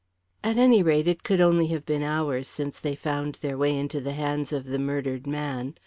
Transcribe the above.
At any rate, it could only have been hours since they found their way into the hands of the murdered man.